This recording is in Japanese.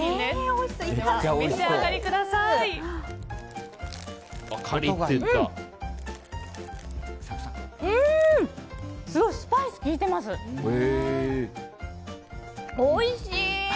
おいしい！